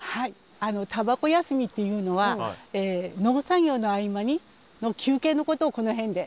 あの「たばこ休み」っていうのは農作業の合間の休憩のことをこの辺で。